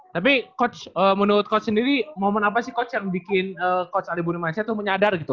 tapi coach menurut coach sendiri momen apa sih coach yang bikin coach aribun indonesia tuh menyadar gitu